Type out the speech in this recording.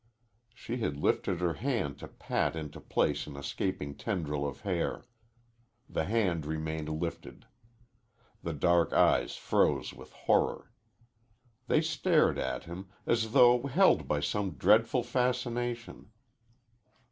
She had lifted her hand to pat into place an escaping tendril of hair. The hand remained lifted. The dark eyes froze with horror. They stared at him, as though held by some dreadful fascination.